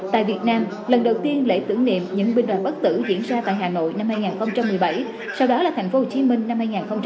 tại việt nam lần đầu tiên lễ tưởng niệm những binh đoàn bất tử diễn ra tại hà nội năm hai nghìn một mươi bảy sau đó là tp hcm năm hai nghìn một mươi tám